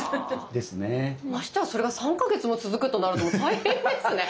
ましてやそれが３か月も続くとなると大変ですね。